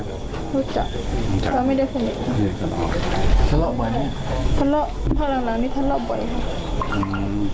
เรื่องเหมือนกับผู้หญิงมีคนหิวเนี่ย